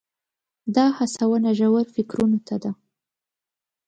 دا هڅونه ژورو فکرونو ته ده.